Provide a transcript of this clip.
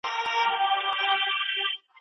سوسیالستي نړۍ به پر بنسټ ودریږي.